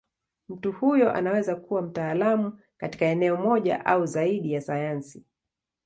Mtu huyo anaweza kuwa mtaalamu katika eneo moja au zaidi ya sayansi.